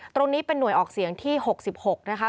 ตรงนี้เป็นหน่วยออกเสียงที่๖๖นะคะ